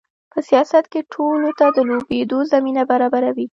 په سیاست کې ټولو ته د لوبېدو زمینه برابروي.